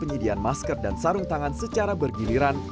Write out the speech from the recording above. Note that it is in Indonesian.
penyediaan masker dan sarung tangan secara bergiliran